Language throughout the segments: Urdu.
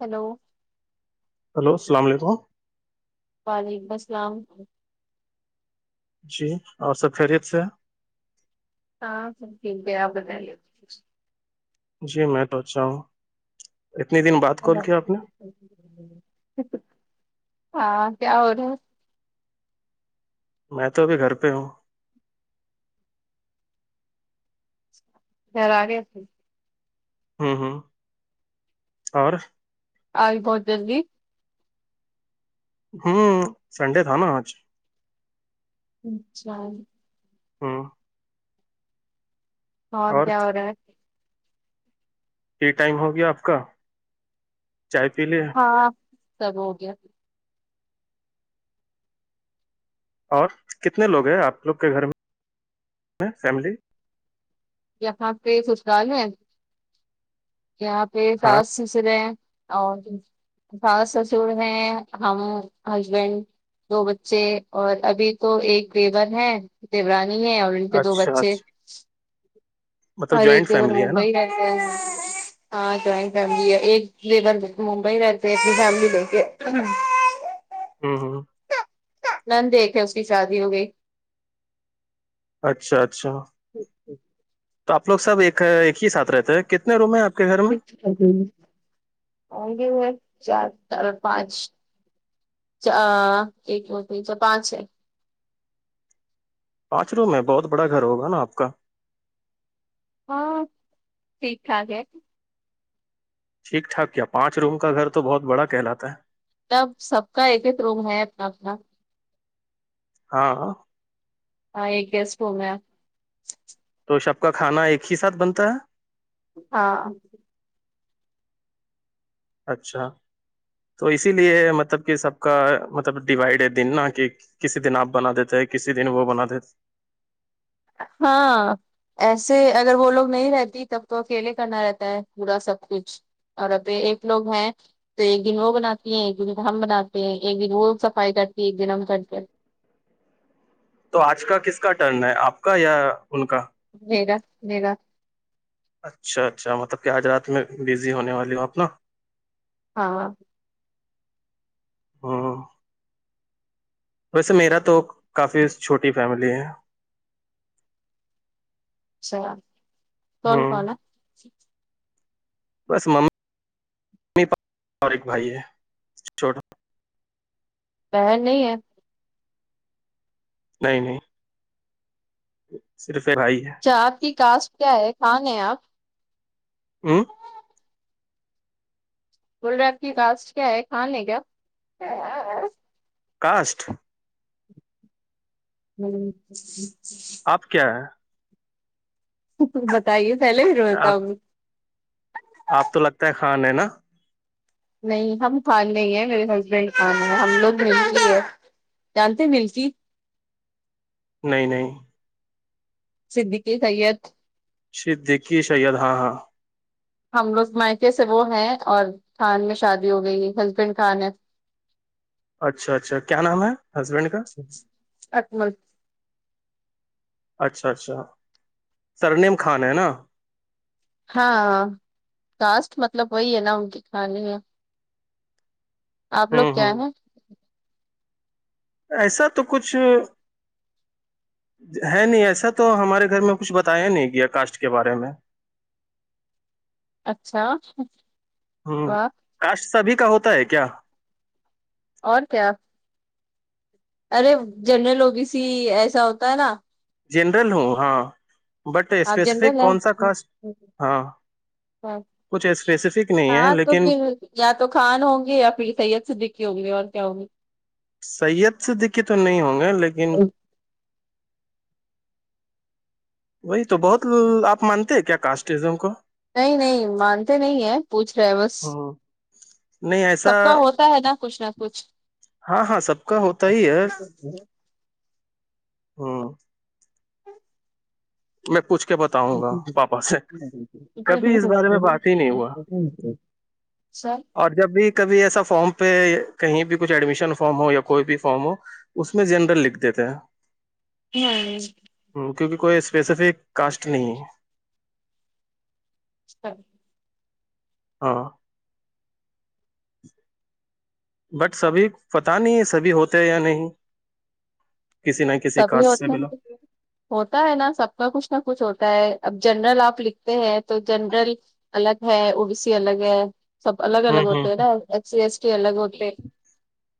ہیلو ہیلو السلام علیکم وعلیکم السلام جی اور سب خیریت سے ہاں سب ٹھیک ہے آپ کے گھر جی میں تو اچھا ہوں اتنے دن بعد کال کیا آپ نے ہاں کیا ہورہا میں تو ابھی گھر پہ ہوں [unintelligible] ہوں ہوں اور آئی بہت جلدی ہوں سنڈے تھا نا آج اچھا ہاں اور کیا ہو رہا ہے فری ٹائم ہو گیا آپ کا چائے پی لے ہاں سب ہو گیا اور کتنے لوگ ہیں آپ لوگ کے گھر میں فیملی اں پہ سسرال ہیں یہاں پہ ہاں ساس سسرے ہیں اور ساس سسر میں ہم ہسبینڈ دو بچے اور ابھی تو ایک دیور ہیں دیورانی ہے اور ان کے دو اچھا بچے اچھا مطلب ارے جوائنٹ تم فیملی ہے نا مبئی رہتے ہیں ہاں جوائنٹ فیملی ہے ایک لیبر ممبئی رہتے اپنی فیملی لے کے ہاں ہاں نند ایک ہیں اس کی شادی ہو گئی اچھا اچھا تو آپ لوگ سب ایک ایک ہی ساتھ رہتے ہیں کتنے روم ہیں آپ آپ کے گھر میں اور ہے چار چار پانچ ایک مت نچ پانچ ہے پانچ روم ہے بہت بڑا گھر ہوگا نا آپ کا ہاں ٹھیک ٹاک ہے ٹھیک ٹھاک کیا پانچ روم کا گھر تو بہت بڑا کہلاتا ہے تب سب کا ایک روم ہے اپنا اپنا ہاں ہاں ایک گیسٹ روم ہے تو سب کا کھانا ایک ہی ساتھ بنتا ہے ہاں اچھا تو اسی لیے مطلب کہ سب کا مطلب ڈیوائڈ ہے دن نا کہ کسی دن آپ بنا دیتے ہیں کسی دن وہ بنا دیتے ہاں ایسے اگر وہ لوگ نہیں رہتی تب تو اکیلے کرنا رہتا ہے پورا سب کچھ اور ابھی ایک لوگ ہیں تو ایک دن وہ بناتی ہیں ایک دن ہم بناتے ہیں ایک دن وہ صفائی کرتی ہے ایک دن ہم کر تے ہیں تو آج کا کس کا ٹرن ہے آپ کا یا ان کا میرا میرا اچھا اچھا مطلب کہ آج رات میں بزی ہونے والی ہوں آپ نا ہاں ہوں ویسے میرا تو کافی چھوٹی فیملی ہے اچھا کون ہ کون ہے بس من اور ایک بھائی ہے چھوٹا بہن نہیں ہے نہیں نہیں صرف ا [unintelligible] رہ ہی ہے اچھا آپ کی کاسٹ کیا ہے خان ہے آپ ہوں بول رہے آپ کی کاسٹ کیا ہے خان ہے کیا کاسٹ [unintelligible] مل آپ کیا ہیں بتائیے پہلے [unintelligible] ہے آپ بتاؤ آپ تو لگتا ہے خان ہے نا نہیں ہم خان نہیں ہیں میرے ہسبینڈ خان ہیں ہم لوگ [unintelligible] متے ہیں جانتے ملتی نہیں نہیں صدیقی سید صدیقی سید ہاں ہاں ہم لوگ مائکے سے وہ ہیں اور خان میں شادی ہو گئی ہسبینڈ خان ہے اچھا اچھا کیا نام ہے ہسبینڈ کا اکمل اچھا اچھا سرنیم خان ہے نا ہاں کاسٹ مطلب وہی ہے نا ان کے خان ہی ہے آپ لوگ ہوں کیا ہوں ہیں ایسا تو کچھ ہے نہیں ایسا تو ہمارے گھر میں کچھ بتایا نہیں گیا کاسٹ کے بارے میں اچھا ہوں واہ کاسٹ سبھی کا ہوتا ہے کیا اور کیا ارے جنرل اوگی س ہی ایسا ہوتا ہے نا جنرل ہوں ہاں بٹ آپ اسپیسفک جنرل کون سا ہیں کاسٹ ہاں کچھ اسپیسفک نہیں ہے ہاں تو لیکن پھر یا تو خان ہوں گے یا پھر سید صدیقی ہوں گی اور کیا ہوں گی سید صدیقی تو نہیں ہوں گے لیکن وہی تو بہت آپ مانتے ہے کیا کاسٹازم کو نہیں نہیں مانتے نہیں ہے پوچھ رہے ہیں بس ہ نہیں ایسا سب کا ہوتا ہے نا کچھ نہ کچھ ہاں ہاں سب کا ہوتا ہی ہے ہاں میں پوچھ کے بتاؤں گا پاپا سے ج کبھی اس بارے میں بات ہی نہیں ہوا [unintelligible] سر اور جب بھی کبھی ایسا فارم پہ کہیں بھی کچھ ایڈمیشن فارم ہو یا کوئی بھی فارم ہو اس میں جنرل لکھ دیتے ہیں یعنی ہ کیونکہ کوئی اسپیسیفک کاسٹ نہیں ہے اچھا ہاں بٹ سبھی پتا نہیں سبھی ہوتے ہے یا نہیں کسی نہ کسی سبھی کاسٹ سے ہوتے بلا ہوتا ہے نا سب کا کچھ نہ کچھ ہوتا ہے اب جنرل آپ لکھتے ہیں تو جنرل الگ ہے اوبی سی الگ ہے سب الگ ہوں الگ ہوں ہوتے ہے ہ نا ایف سی ایس ٹی الگ ہوتے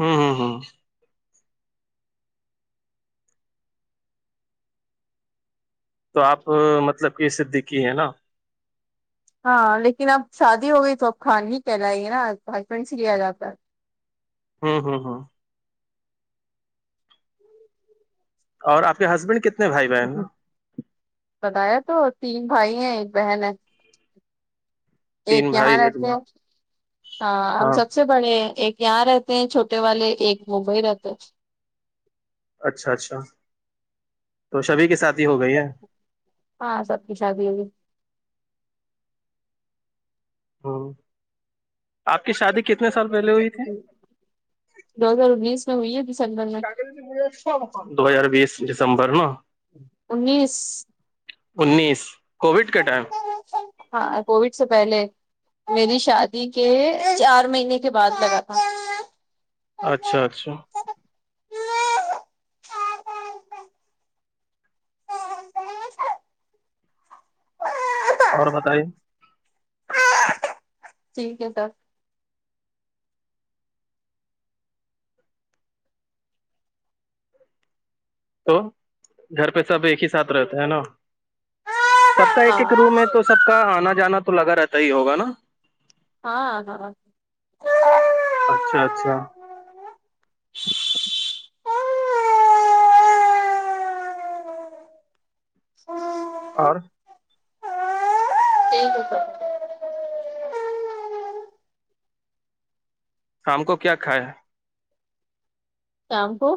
ہمم ہمم تو آپ مطلب کہ صدیقی ہے نا ہاں لیکن اب شادی ہو گئی تو اب خان ہی کہلائے گے نا ہسبینڈ سے لیا جاتا ہمم ہمم ہمم اور آپ کے ہسبینڈ کتنے بھائی بہن بتایا تو تین بھائی ہیں ایک بہن ہے ایک تین یہاں بھائی ایک رہتے ہیں بہن ہاں ہم سب سے سب سے بڑے ایک یہاں رہتے ہیں چھوٹے والے ایک ممبئی رہتے اچھا اچھا تو سبھی کی شدی ہوگئی ہے ہاں سبکی شادی ہوگئی ہے ہمم آپ کی شادی کتنے سال دو ہزار انیس میں ہوئی ہے دسمبر میں دو ہزار بیس دسمبر نا انیس انیس کووڈ کے ٹائم ہاں کووڈ سے پہلے میری شادی کے چار مہینے کے بعد لگا تھا اچھا اچھا اور بتائیے ٹھیک ہے سب تو گھر پہ سب ایک ہی ساتھ رہتے ہیں نا سب کا ایک ایک ہاں روم ہے تو سب کا آنا جانا تو لگا رہتا ہی ہوگا نا ہاں ہاں اچھا اچھا ہ اور ٹھیک ہے سب شام کو کیا کھایا شام کو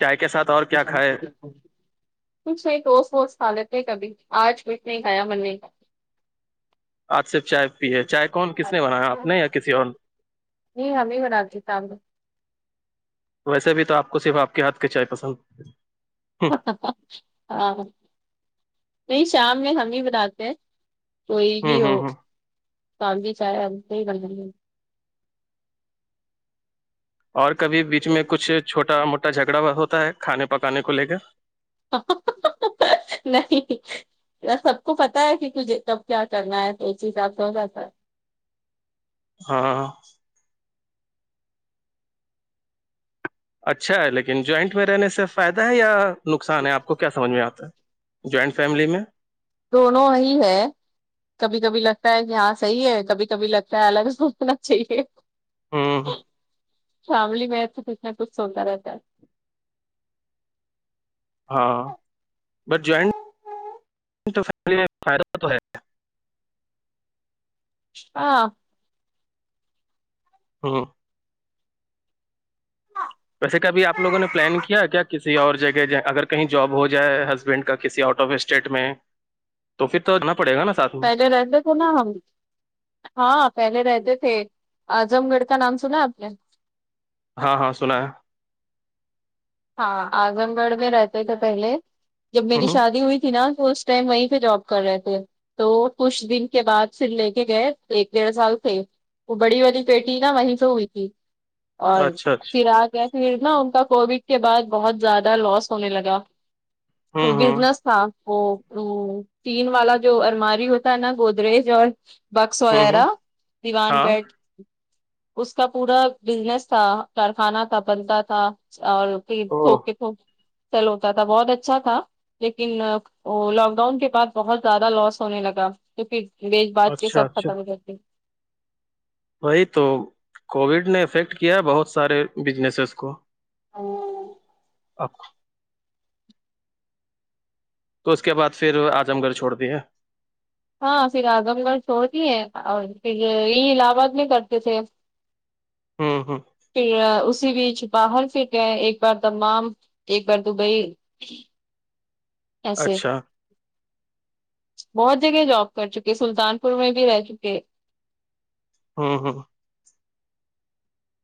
چائے کے ساتھ اور کیا کھائے [unintelligible] کچھ نہیں توس ووس کھا لیتے کبھی آج کچھ نہیں کھایا مان نہیں [inaudible] آج صرف چائے پی ہے چائے کون کس نے بنایا ہے آپ کھایا۔ نے یا کسی اور نہیں ہم ہی بناتے ہے شام کو ویسے بھی تو آپ کو صرف آپ کے ہاتھ کی چائے پسند ہ ہاں نہیں شام میں ہم ہی بتاتے ہیں کوئی ہ بھی ہ ہو ہ شام کی چائی ہم کو ہی بنانی ہے اور کبھی بیچ میں کچھ چھوٹا موٹا جھگڑا ہوتا ہے کھانے پکانے کو لے کے نہیں سب کو پتہ ہے مجھے کب کیا کرنا ہے تو چیز آپ ہو جاتا ہاں اچھا ہے لیکن جوائنٹ میں رہنے سے فائدہ ہے یا نقصان ہے آپ کو کیا سمجھ میں آتا ہے جوائنٹ فیملی میں دونوں ہی ہے کبھی کبھی لگتا ہے کہ ہاں صحیح ہے کبھی کبھی لگتا ہے الگ سوچنا چاہیے ہوں فیملی میں ہے تو کچھ نہ کچھ ہوتا رہتا ہے ہاں بٹ ہے جوائنٹ فیملی میں فائدہ تو رہتا ہے ہاں ہاں ویسے کبھی آپ لوگوں نے پلان کیا کیا کسی اور جگہ اگر کہیں جوب ہو جائے ہسبینڈ کا کسی آؤٹ آف اسٹیٹ میں تو پھر تو رہنا پڑے گا نا ساتھ میں پہلے رہتے ہاں پہلے رہتے تھے اعظم گڑھ کا نام سنا آپ نے ہاں ہاں سنا ہے ہاں اعظم گڑھ میں رہتے تھے پہلے جب میری ہوں شادی ہوئی تھی نا تو ٹائم وہیں پہ جوب کر رہے تھے تو کچھ دن کے بعد پھر لے کے گئے ایک ڈیڑھ سال تھے وہ بڑی والی بیٹی نا وہی سے ہوئی تھی اور اچھا اچھا پھر اگیا پھرنا ان کا کووڈ کے بعد بہت زیادہ لاس ہونے لگا ہوں وہ ہوں بزنس تھا اور تین والا جو ارماری ہوتا ہے نا گودریج اور بکس ہوں وغیرہ ہوں دیوان ہاں پیٹ اس کا پورا بزنس تھا کارخانہ تھا بنتا تھا اور او سوکے چل ہوتا تھا بہت اچھا تھا لیکن لاک ڈاؤن کے بعد بہت زیادہ لاس ہونے لگا تو پھر یہ بات کے اچھا سب اچھا ختم کرتے وہی تو کووڈ نے افیکٹ کیا بہت سارے بزنسز کو اور اب تو اس کے بعد پھر اعیظم گڑھ چھوڑ دیے ہاں پھر اعظم گڑھ چھوڑتی ہے اور پھر یہ الہ آباد میں کرتے تھے ہوں ہوں پھر اسی بیچ باہر پھر گئے ایک بار دمام ایک بار دوبئی ایسے اچھا بہت جگہ جوب کر چکے سلطان پور میں بھی رہ چکے ہاں ہاں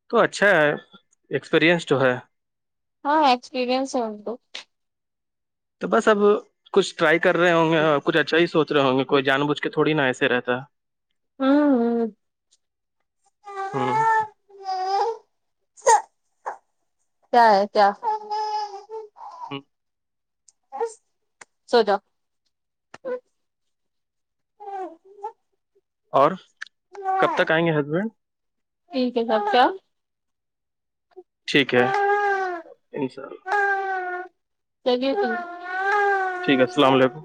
تو اچھا ہے ایکسپرینس جو ہے ہاں ایکسپرینس ہوتو تو بس اب کچھ ٹرائی کر رہ ہوں گے اور کچھ اچھا ہی سوچھ رہے ہوں گے کوئی جان بوجھ کے تھوڑی ایسے رہتا ہے ہ ہ ہ ہاں کیا ہے کیا سو جا اور کب تک آئیں گے ہسبینڈ ٹھیک ہے سب کیا ٹھیک ہے ان شاء اللہ سگے ٹھیک ہے السلام علیکم